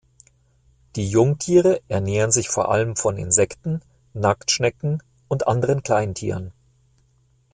Die Jungtiere ernähren sich vor allem von Insekten, Nacktschnecken und anderen Kleintieren.